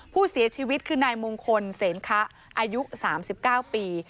ผู้เสียชีวิตคือนายมงคลเสนคะอายุ๓๙ปี